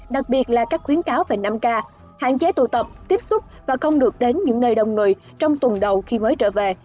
đặc biệt là các khuyến cáo về năm k hạn chế tụ tập tiếp xúc và không được đến những nơi đông người trong tuần đầu khi mới trở về